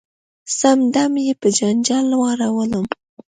سم دم یې په جنجال واړولم .